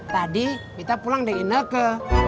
tadi kita pulang di ineke